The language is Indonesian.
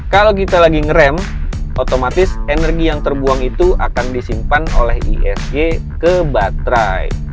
kalau kita lagi ngerem otomatis energi yang terbuang itu akan disimpan oleh isg ke baterai